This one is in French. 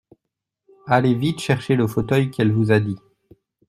Allez vite chercher le fauteuil qu’elle vous a dit.